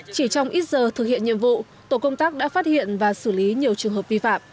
chỉ trong ít giờ thực hiện nhiệm vụ tổ công tác đã phát hiện và xử lý nhiều trường hợp vi phạm